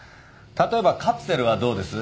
例えばカプセルはどうです？